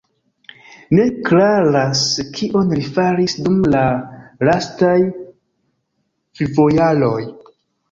Ne klaras kion li faris dum la lastaj vivojaroj.